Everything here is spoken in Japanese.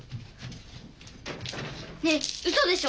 ねえうそでしょ？